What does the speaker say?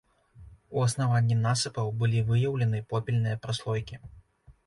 У аснаванні насыпаў былі выяўлены попельныя праслойкі.